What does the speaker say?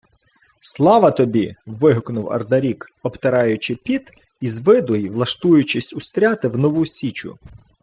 — Слава тобі! — вигукнув Ардарік, обтираючи піт із виду й лаштуючись устряти в нову січу.